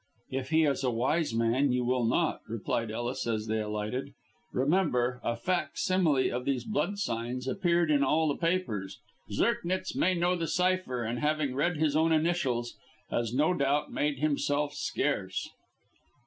"If he is a wise man you will not," replied Ellis, as they alighted. "Remember, a fac simile of these blood signs appeared in all the papers. Zirknitz may know the cypher, and, having read his own initials, has, no doubt, made himself scarce."